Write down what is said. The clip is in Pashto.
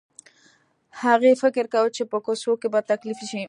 هغې فکر کاوه چې په کوڅو کې به تکليف شي.